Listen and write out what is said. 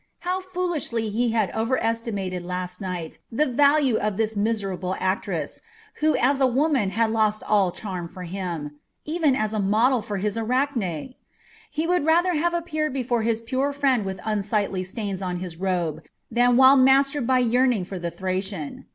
How foolishly he had overestimated last night the value of this miserable actress, who as a woman had lost all charm for him even as a model for his Arachne! He would rather have appeared before his pure friend with unsightly stains on his robe than while mastered by yearning for the Thracian.